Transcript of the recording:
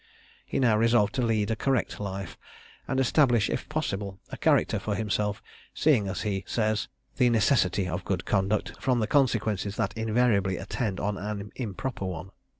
He now resolved to lead a correct life, and establish, if possible, a character for himself, seeing, as he says, the necessity of good conduct, from the consequences that invariably attend on an improper one.